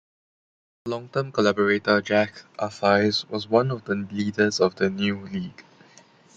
His long-term collaborator Jacques Arthuys was one of the leaders of the new league.